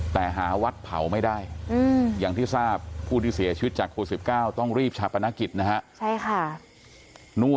แต่หาวัดเผาไม่ได้อย่างที่ทราบผู้ที่เสียชีวิตจากโควิด๑๙ต้องรีบชาปนกิจนะฮะ